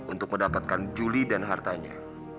untuk mendapatkan juli dan hartanya